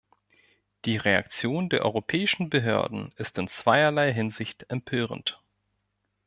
Die Reaktion der europäischen Behörden ist in zweierlei Hinsicht empörend.